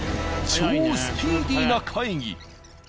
超スピーディーな会議。